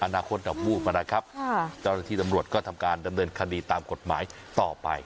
อนาคตดอกวูบนะครับเจ้าหน้าที่ตำรวจก็ทำการดำเนินคดีตามกฎหมายต่อไป